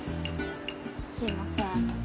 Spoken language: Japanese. すいません。